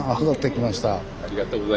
ありがとうございます。